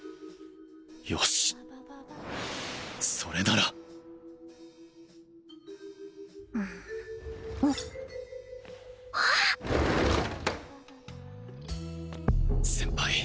よしっそれなら先輩